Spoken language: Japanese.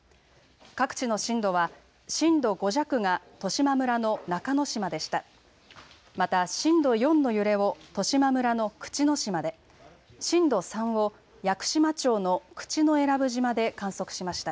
各地の震度は震度５弱が十島村の中之島でした。